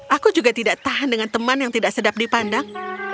aku juga tidak tahan dengan teman yang tidak sedap dipandang